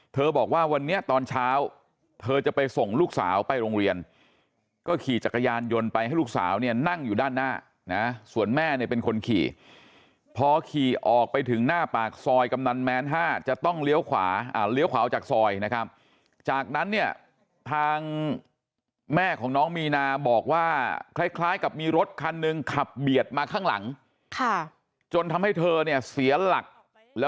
บอกว่าวันนี้ตอนเช้าเธอจะไปส่งลูกสาวไปโรงเรียนก็ขี่จักรยานยนต์ไปให้ลูกสาวเนี่ยนั่งอยู่ด้านหน้านะส่วนแม่เนี่ยเป็นคนขี่พอขี่ออกไปถึงหน้าปากซอยกำนันแม้น๕จะต้องเลี้ยวขวาเลี้ยวขวาออกจากซอยนะครับจากนั้นเนี่ยทางแม่ของน้องมีนาบอกว่าคล้ายกับมีรถคันหนึ่งขับเบียดมาข้างหลังจนทำให้เธอเนี่ยเสียหลัก